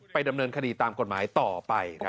ดำเนินคดีตามกฎหมายต่อไป